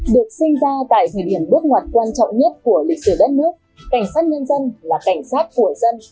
được sinh ra tại thời điểm bước ngoặt quan trọng nhất của lịch sử đất nước cảnh sát nhân dân là cảnh sát của dân